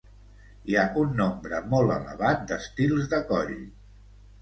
Hi ha un nombre molt elevat d'estils de coll.